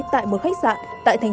tại một khách sạn